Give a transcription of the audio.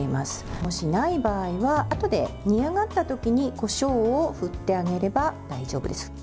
もし、ない場合はあとで煮上がったときにこしょうを振ってあげれば大丈夫です。